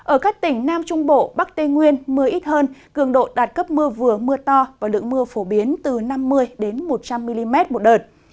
ở các tỉnh nam trung bộ bắc tây nguyên mưa ít hơn cường độ đạt cấp mưa vừa mưa to và lượng mưa phổ biến từ năm mươi một trăm linh mm một đợt